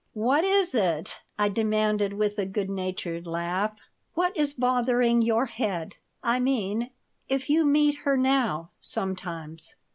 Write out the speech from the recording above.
"What is it?" I demanded, with a good natured laugh. "What is bothering your head?" "I mean if you meet her now, sometimes?"